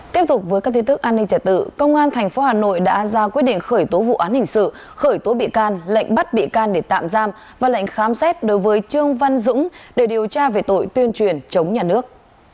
tiếp tục với các tin tức an ninh trả tự công an tp hà nội đã ra quyết định khởi tố vụ án hình sự khởi tố bị can lệnh bắt bị can để tạm giam và lệnh khám xét đối với trương văn dũng để điều tra về tội tuyên truyền chống nhà nước